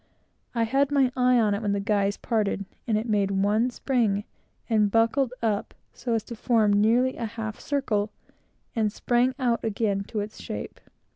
I had my eye on it when the guys parted, and it made one spring and buckled up so as to form nearly a half circle, and sprang out again to its shape.